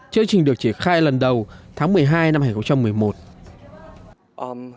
chương trình được triển khai lần đầu tháng một mươi hai năm hai nghìn một mươi một